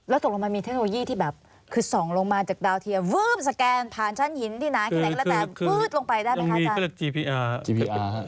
แล้วตกลงมามีเทคโนโลยีที่แบบคือส่องลงมาจากดาวเทียร์สแกนผ่านชั้นหินที่น้ำ